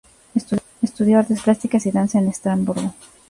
Estudio Artes Plásticas y Danza en Estrasburgo.